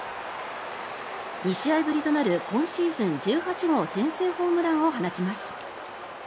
２試合ぶりとなる今シーズン１８号先制ホームランを放ちます。